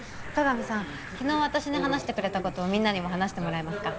昨日私に話してくれたことをみんなにも話してもらえますか？